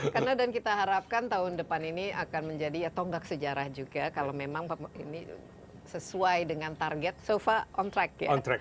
karena dan kita harapkan tahun depan ini akan menjadi tonggak sejarah juga kalau memang ini sesuai dengan target so far on track ya